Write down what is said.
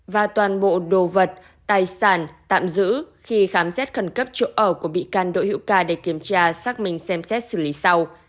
và toàn bộ đồ vật tài sản tạm giữ khi khám xét khẩn cấp chỗ ở của bị can đỗ hữu ca để kiểm tra xác minh xem xét xử lý sau